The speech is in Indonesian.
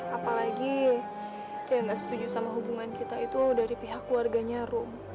apalagi kayak nggak setuju sama hubungan kita itu dari pihak keluarganya room